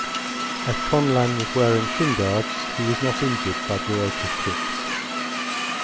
As Conlan was wearing shin guards, he was not injured by Durocher's kicks.